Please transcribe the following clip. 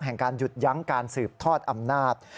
แห่งการหยุดยั้งการสืบทอดอำนาจ